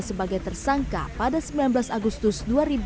sebagai tersangka pada sembilan belas agustus dua ribu dua puluh